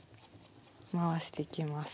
回していきます。